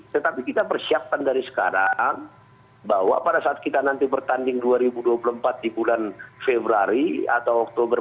tetapi kita persiapkan dari sekarang bahwa pada saat kita nanti bertanding dua ribu dua puluh empat di bulan februari atau oktober